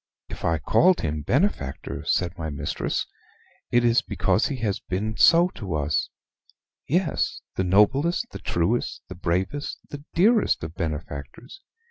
"If I called him benefactor," said my mistress, "it is because he has been so to us yes, the noblest, the truest, the bravest, the dearest of benefactors.